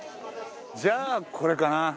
じゃあこれかな？